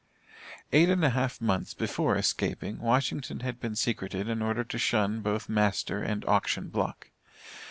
Eight and a half months before escaping, Washington had been secreted in order to shun both master and auction block.